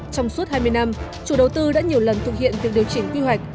trong suốt hai mươi năm chủ đầu tư đã nhiều lần thực hiện việc điều chỉnh quy hoạch